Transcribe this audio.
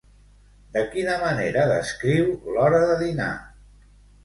De quina manera descriu l'hora de dinar?